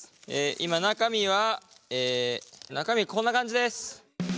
今中身はえ中身はこんな感じです！